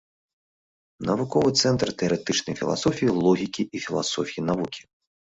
Навуковы цэнтр тэарэтычнай філасофіі, логікі і філасофіі навукі.